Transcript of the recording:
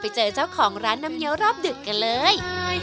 ไปเจอเจ้าของร้านน้ำเงี้ยวรอบดึกกันเลย